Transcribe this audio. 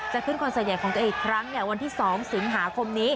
ขึ้นคอนเสิร์ตใหญ่ของตัวเองอีกครั้งวันที่๒สิงหาคมนี้